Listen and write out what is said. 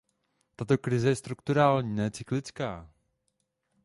Tato krize je strukturální, ne cyklická.